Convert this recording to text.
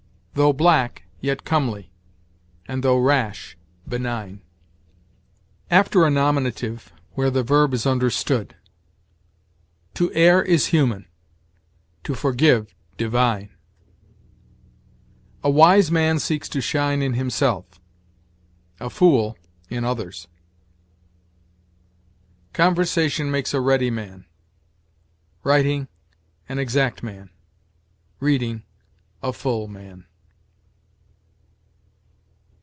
"Though black, yet comely; and though rash, benign." After a nominative, where the verb is understood. "To err is human; to forgive, divine." "A wise man seeks to shine in himself; a fool, in others." "Conversation makes a ready man; writing, an exact man; reading, a full man."